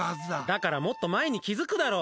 だから、もっと前に気づくだろ。